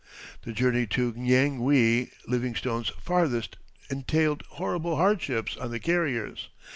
The journey to Nyangwe, Livingstone's "farthest," entailed horrible hardships on the carriers.